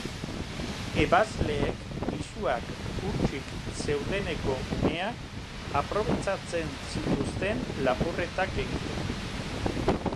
Ebasleek pisuak hutsik zeudeneko uneak aprobetxatzen zituzten lapurretak egiteko.